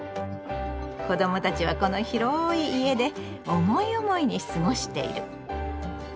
子どもたちはこの広い家で思い思いに過ごしている。